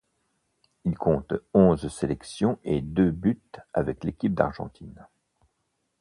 Il compte onze sélections et deux buts avec l'équipe d'Argentine.